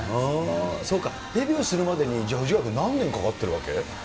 そうか、デビューするまでに、じゃあ藤ヶ谷君、何年かかってるわけ？